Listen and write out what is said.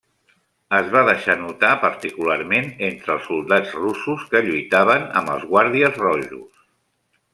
Es va deixar notar particularment entre els soldats russos que lluitaven amb els Guàrdies Rojos.